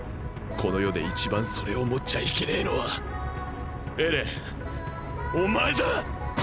この世で一番それを持っちゃいけねぇのはエレンお前だ！